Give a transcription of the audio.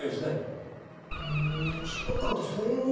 ふーん執行官ってそういうもんなんですね。